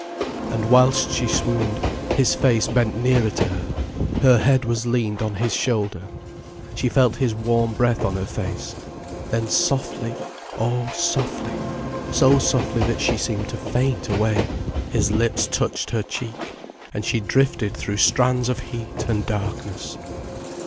And whilst she swooned, his face bent nearer to her, her head was leaned on his shoulder, she felt his warm breath on her face. Then softly, oh softly, so softly that she seemed to faint away, his lips touched her cheek, and she drifted through strands of heat and darkness.